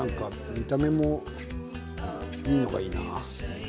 見た目がいいのもいいな。